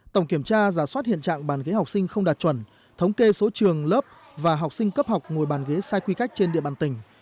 tổng kiểm tra giả soát hiện trạng bàn ghế học sinh không đạt chuẩn thống kê số trường lớp và học sinh cấp học ngồi bàn ghế sai quy cách trên địa bàn tỉnh